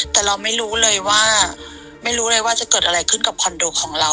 แต่เราไม่รู้เลยว่าไม่รู้เลยว่าจะเกิดอะไรขึ้นกับคอนโดของเรา